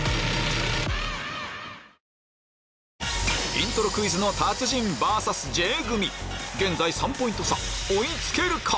イントロクイズの達人ｖｓＪ組現在３ポイント差追い付けるか？